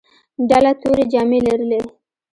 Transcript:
ډله تورې جامې لرلې.